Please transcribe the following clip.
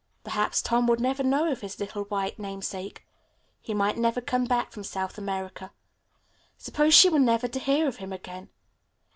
Perhaps Tom would never know of his little white namesake. He might never come back from South America. Suppose she were never to hear of him again.